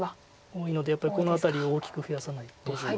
多いのでやっぱりこの辺りを大きく増やさないと。